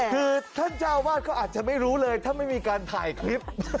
คือท่านเจ้าวาดก็อาจจะไม่รู้เลยถ้าไม่มีการถ่ายคลิป